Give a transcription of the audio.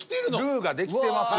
ルーが出来てますよ。